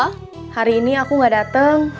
hari ini aku gak dateng